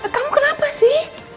kamu kenapa sih